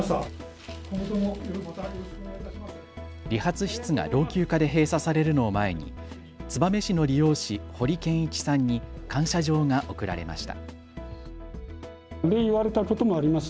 理髪室が老朽化で閉鎖されるのを前に、燕市の理容師堀健一さんに感謝状が贈られました。